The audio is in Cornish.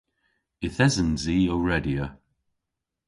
Yth esens i ow redya.